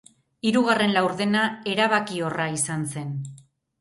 Hirugarren laurdena erabakiorra izan zen.